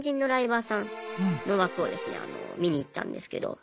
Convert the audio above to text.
見に行ったんですけど